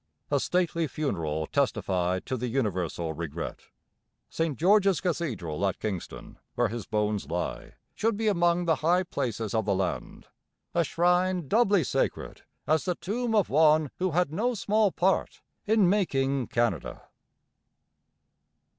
A stately funeral testified to the universal regret. St George's Cathedral at Kingston, where his bones lie, should be among the high places of the land, a shrine doubly sacred, as the tomb of one who had no small part in making Canada.